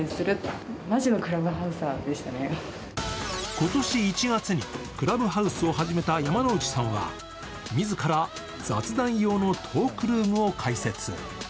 今年１月にＣｌｕｂｈｏｕｓｅを始めた山之内さんは自ら雑談用のトークルームを開設。